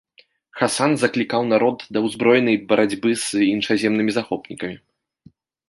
Хасан заклікаў народ да ўзброенай барацьбы з іншаземнымі захопнікамі.